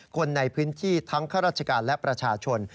คนในพื้นที่ทั้งข้าราชการและประชาชน